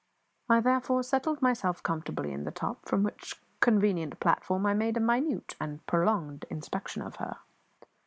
I therefore settled myself comfortably in the top, from which convenient platform I made a minute and prolonged inspection of her.